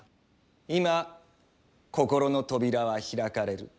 今心の扉は開かれる。